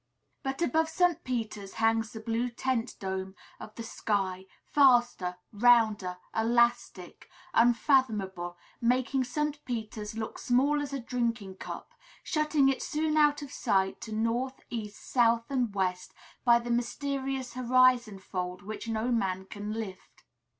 But above St. Peter's hangs the blue tent dome of the sky, vaster, rounder, elastic, unfathomable, making St. Peter's look small as a drinking cup, shutting it soon out of sight to north, east, south, and west, by the mysterious horizon fold which no man can lift.